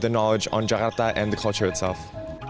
tentang pengetahuan tentang jakarta dan kultur itu sendiri